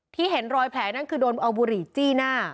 เห็นรอยแผลนั่นคือโดนเอาบุหรี่จี้หน้า